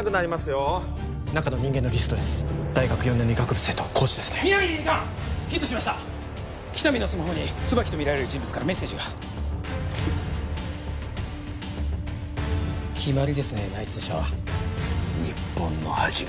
理事官ヒットしました喜多見のスマホに椿とみられる人物からメッセージが決まりですね内通者は日本の恥が！